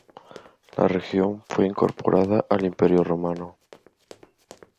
La región fue incorporada al Imperio romano.